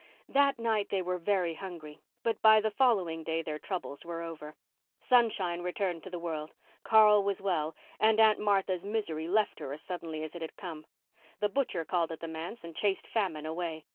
That night they were very hungry; but by the following day their troubles were over. Sunshine returned to the world; Carl was well and Aunt Martha's misery left her as suddenly as it had come; the butcher called at the manse and chased famine away.